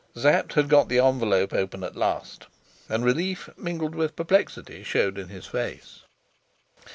Sapt had got the envelope open at last, and relief, mingled with perplexity, showed in his face.